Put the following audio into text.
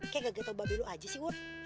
kayak gak tau babe lo aja sih wun